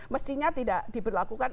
mestinya tidak diberlakukan